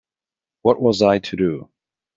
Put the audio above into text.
What was I to do?